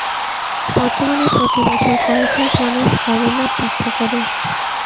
বর্তমানে প্রতি বছর কয়েক লাখ মানুষ অমরনাথ যাত্রা করে।